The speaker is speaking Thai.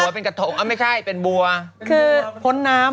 พอคืนนี้จะลงไปดำน้ำ